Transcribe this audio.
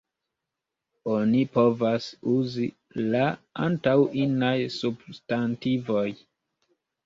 Oni povas uzi La antaŭ inaj substantivoj.